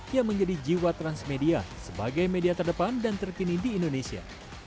yang menjadi jiwa transmedia sebagai media terdepan dan terkini di indonesia